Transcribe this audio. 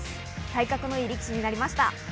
体格のいい力士になりました。